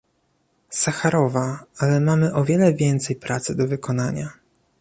Sacharowa, ale mamy o wiele więcej pracy do wykonania